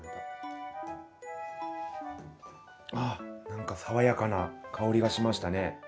あ何か爽やかな香りがしましたね。